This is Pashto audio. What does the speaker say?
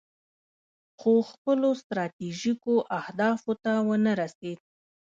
خو خپلو ستراتیژیکو اهدافو ته ونه رسید.